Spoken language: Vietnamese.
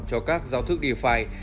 cho các giao thức defi